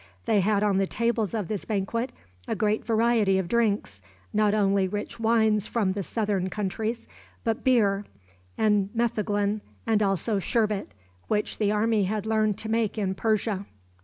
They had on the tables of this banquet a great variety of drinks not only rich wines from the southern countries, but beer, and metheglin, and also sherbet, which the army had learned to make in Persia.